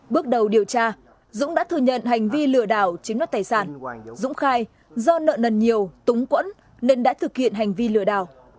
bước đầu điều tra dũng đã thừa nhận hành vi lừa đảo chiếm đoạt tài sản dũng khai do nợ nần nhiều túng quẫn nên đã thực hiện hành vi lừa đảo